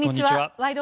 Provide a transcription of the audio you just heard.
「ワイド！